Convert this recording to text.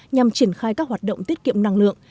nhằm triển khai các hoạt động tiết kiệm năng lượng